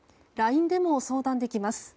ＬＩＮＥでも相談できます。